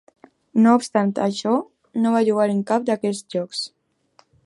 No obstant això, no va jugar en cap d'aquests jocs.